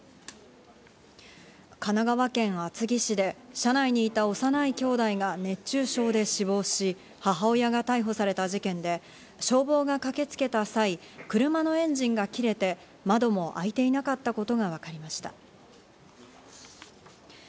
神奈川県厚木市で車内にいた幼いきょうだいが熱中症で死亡し、母親が逮捕された事件で、消防が駆けつけた際、車のエンジンが切れて、窓も開いていなかったことがわかりました。